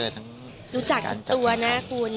รู้จักตัวนะคุณ